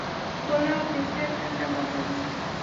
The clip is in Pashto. ګلاب د زړه تنده ماتوي.